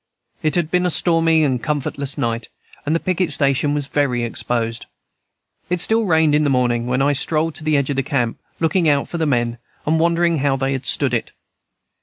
It had been a stormy and comfortless night, and the picket station was very exposed. It still rained in the morning when I strolled to the edge of the camp, looking out for the men, and wondering how they had stood it.